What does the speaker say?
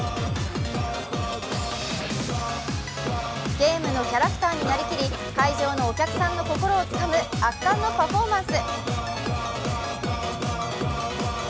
ゲームのキャラクターになりきり会場のお客さんの心をつかむ圧巻のパフォーマンス。